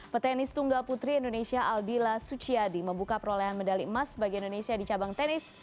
petenis tunggal putri indonesia albila suciadi membuka perolehan medali emas bagi indonesia di cabang tenis